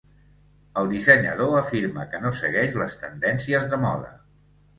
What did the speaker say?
El dissenyador afirma que no segueix les tendències de moda.